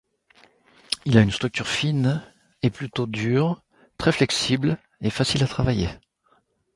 Il a une structure fine, est plutôt dur, très flexible et facile à travailler.